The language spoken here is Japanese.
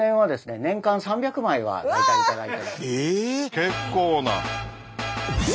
結構な。